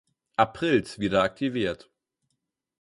Aprils wieder aktiviert.